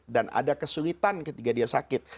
dan ada kesulitan ketika dia sakit